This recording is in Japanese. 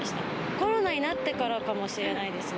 コロナになってからかもしれないですね。